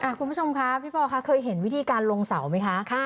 คุณผู้ชมคะพี่ปอลค่ะเคยเห็นวิธีการลงเสาไหมคะ